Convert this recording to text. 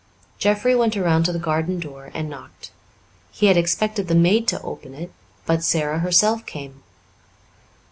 Jeffrey went around to the garden door and knocked. He had expected the maid to open it, put Sara herself came.